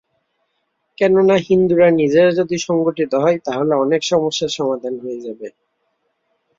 কেননা, হিন্দুরা নিজেরা যদি সংগঠিত হয়, তাহলে অনেক সমস্যার সমাধান হয়ে যাবে।